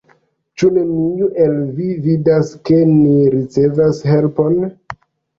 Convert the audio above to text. Ĉu neniu el vi vidas, ke ni ricevas helpon?